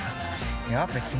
いや別に。